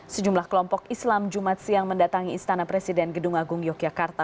sejumlah kelompok islam jumat siang mendatangi istana presiden gedung agung yogyakarta